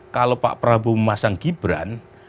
kalau pak prabowo memasang gibran